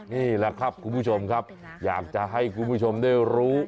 นี่แหละครับคุณผู้ชมครับอยากจะให้คุณผู้ชมได้รู้